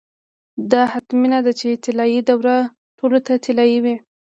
دا حتمي نه ده چې طلايي دوره ټولو ته طلايي وي.